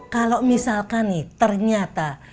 kalau misalkan nih ternyata